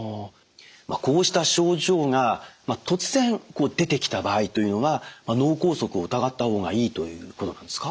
こうした症状が突然出てきた場合というのは脳梗塞を疑った方がいいということなんですか？